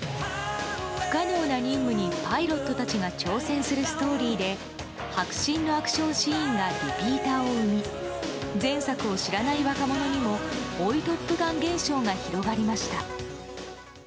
不可能な任務にパイロットたちが挑戦するストーリーで迫真のアクションシーンがリピーターを生み前作を知らない若者にも追い「トップガン」現象が広がりました。